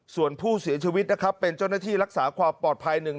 ส่วนผู้เสียชีวิตนะครับเป็นเจ้าหน้าที่รักษาความปลอดภัยหนึ่ง